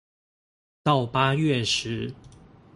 到八月時